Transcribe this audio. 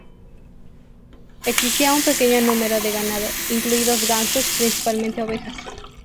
Existía un pequeño número de ganado, incluidos gansos, principalmente ovejas.